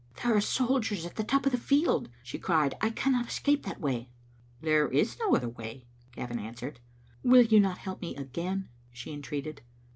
" There are soldiers at the top of the field," she cried. " I cannot escape that way." " There is no other way," Gavin answered. "Will you not help me again?" she entreated.